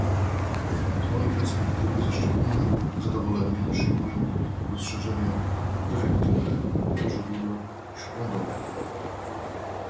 Z mojej perspektywy ze szczególnym zadowoleniem przyjmuję rozszerzenie dyrektywy o żeglugę śródlądową